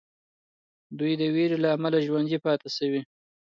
دوی د ویرې له امله ژوندي پاتې سوي.